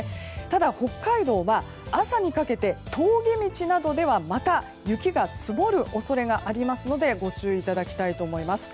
ただ、北海道は朝にかけて峠道などではまた雪が積もる恐れがありますのでご注意いただきたいと思います。